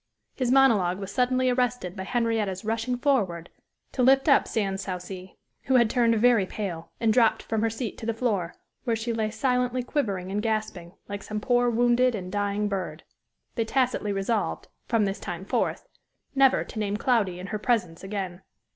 His monologue was suddenly arrested by Henrietta's rushing forward to lift up Sans Souci, who had turned very pale, and dropped from her seat to the floor, where she lay silently quivering and gasping, like some poor wounded and dying bird. They tacitly resolved, from this time forth, never to name Cloudy in her presence again.